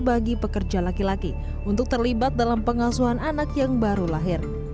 bagi pekerja laki laki untuk terlibat dalam pengasuhan anak yang baru lahir